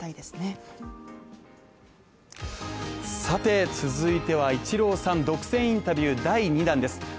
さて続いてはイチローさん独占インタビュー第２弾です。